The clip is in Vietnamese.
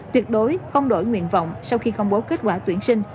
tuyệt đối không đổi nguyện vọng sau khi công bố kết quả tuyển sinh